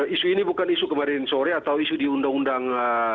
isu ini bukan isu kemarin sore atau isu di undang undang